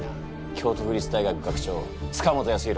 京都府立大学学長塚本康浩。